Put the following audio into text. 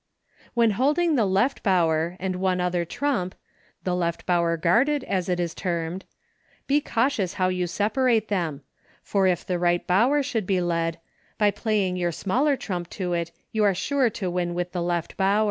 When holding the Left Bower and one other trump, the Left Bower guarded as it is termed, be cautious how you separate them, for if the Eight Bower should be led, by playing your smaller trump to it you are sure to win with the Left Bower.